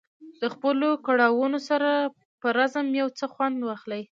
د خپلو کړاوونو سره په رزم یو څه خوند واخلي.